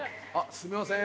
すみません。